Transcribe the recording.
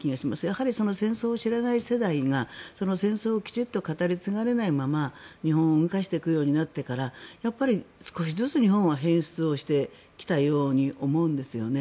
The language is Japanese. やはり戦争を知らない世代が戦争をきちんと語り継がれないまま日本を動かしていくようになってから少しずつ日本は変質をしてきたように思うんですよね。